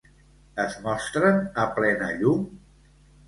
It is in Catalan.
Es mostren a plena llum?